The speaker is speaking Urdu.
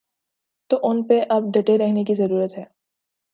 تو ان پہ اب ڈٹے رہنے کی ضرورت ہے۔